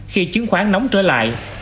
khi chứng khoán nóng trở lại